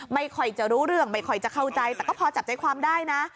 ไม่ค่อยจะรู้เรื่องไม่ค่อยจะเข้าใจแต่ก็พอจับใจความได้นะ